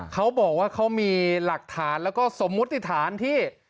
เขาบอกว่าเขามีหลักฐานแล้วก็สมมุติฐานที่